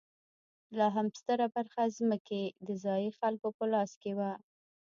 لا هم ستره برخه ځمکې د ځايي خلکو په لاس کې وه.